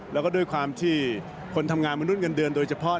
แล้วก็ด้วยความที่คนทำงานมนุษย์เงินเดือนโดยเฉพาะ